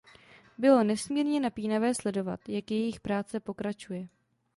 Bylo nesmírně napínavé sledovat, jak jejich práce pokračuje.